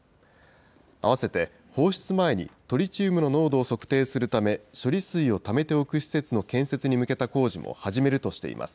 あわせて、放出前にトリチウムの濃度を測定するため、処理水をためておく施設の建設に向けた工事も始めるとしています。